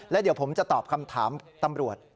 แล้วเดี๋ยวผมจะตอบคำถามตำรวจ